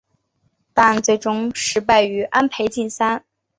但最终石破败于安倍晋三。